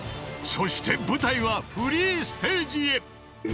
［そして舞台はフリーステージへ］